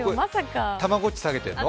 たまごっちを下げてるの？